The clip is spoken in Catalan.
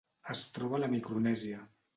Es troba a la Micronèsia.